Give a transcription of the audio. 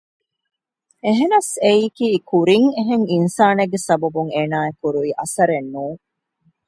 އެހެނަސް އެއީކީ ކުރިން އެހެން އިންސާނެއްގެ ސަބަބުން އޭނާއަށް ކުރުވި އަސަރެއް ނޫން